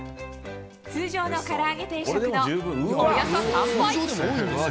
通常のから揚げ定食のおよそ３倍。